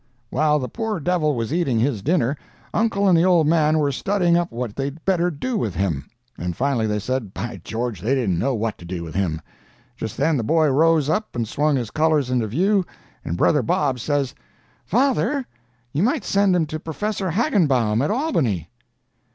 While the poor devil was eating his dinner, uncle and the old man were studying up what they'd better do with him. And finally they said, by George, they didn't know what to do with him. Just then the boy rose up and swung his colors into view, and brother Bob says: "'Father, you might send him to Professor Hagenbaum, at Albany!'